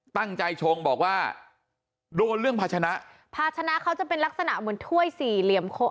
ชงบอกว่าโดนเรื่องภาชนะภาชนะเขาจะเป็นลักษณะเหมือนถ้วยสี่เหลี่ยมคก